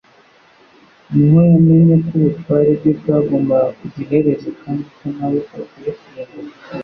niho yamenye ko ubutware bwe bwagombaga kugira iherezo kandi ko na we akwiye kurimbuka.